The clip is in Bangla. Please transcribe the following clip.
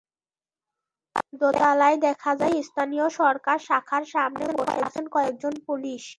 দোতালায় দেখা যায়, স্থানীয় সরকার শাখার সামনে বসে আছেন কয়েকজন পুলিশ।